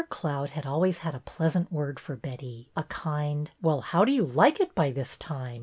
Cloud had always had a pleasant word for Betty, a kind Well, how do you like it by this time?"